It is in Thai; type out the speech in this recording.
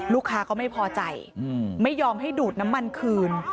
ลูกค้าก็ไม่พอใจไม่ยอมให้ดูดน้ำมันคืน